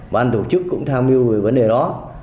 ban tổ chức cũng tham mưu về vấn đề đó